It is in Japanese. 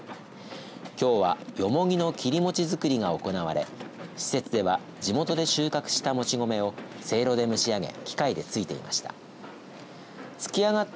きょうは、よもぎの切り餅づくりが行われ施設では地元で収穫したもち米をせいろで蒸し上げ機械でついていました。